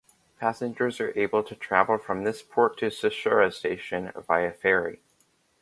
Passengers are able to travel from this port to Tsuchiura Station via ferry.